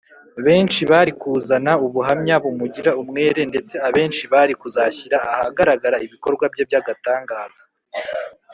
benshi bari kuzana ubuhamya bumugira umwere, ndetse abenshi bari kuzashyira ahagaragara ibikorwa bye by’agatangaza